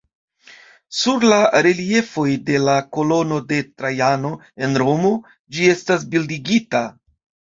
Sur la reliefoj de la Kolono de Trajano en Romo ĝi estas bildigita.